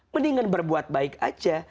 mendingan berbuat baik aja